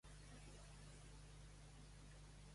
Molts tallers diferents Taller; Teatre, Música, Ballet, Dansa.